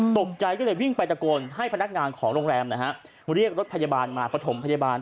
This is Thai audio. ตกใจก็เลยวิ่งไปตะโกนให้พนักงานของโรงแรมนะฮะเรียกรถพยาบาลมาประถมพยาบาล